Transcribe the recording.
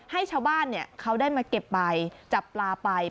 ให้ชาวบ้านเขาได้มาเก็บใบจับปลาไป